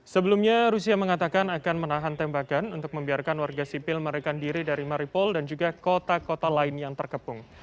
sebelumnya rusia mengatakan akan menahan tembakan untuk membiarkan warga sipil merekan diri dari maripol dan juga kota kota lain yang terkepung